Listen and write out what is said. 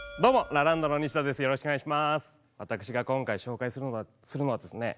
私が今回紹介するのはですね